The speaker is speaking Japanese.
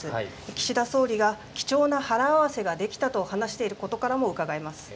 岸田総理が、貴重な腹合わせができたと話していることからもうかがえます。